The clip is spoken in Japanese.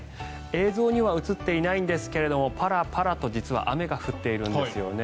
映像には映っていないんですけどパラパラと実は雨が降っているんですよね。